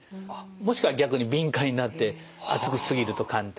もしくは逆に敏感になって熱くし過ぎると感じたり